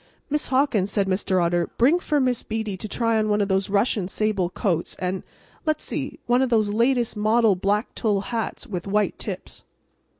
"Miss Hawkins," said Mr. Otter, "bring for Miss Beatty to try on one of those Russian sable coats and—let's see—one of those latest model black tulle hats with white tips."